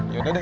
ya udah deh